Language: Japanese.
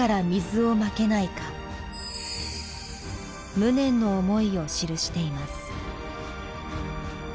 無念の思いを記しています。